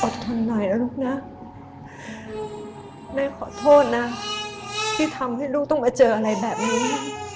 ทนหน่อยนะลูกนะแม่ขอโทษนะที่ทำให้ลูกต้องมาเจออะไรแบบนี้